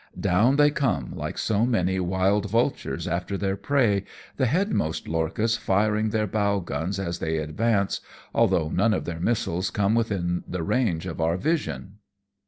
Down they come like so many wild vultures after their prey, the headmost lorchas firing their bow guns as they advance, although none of their missiles come within the range of our vision.